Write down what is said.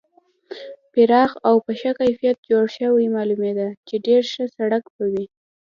پراخ او په ښه کیفیت جوړ شوی معلومېده چې ډېر ښه سړک و.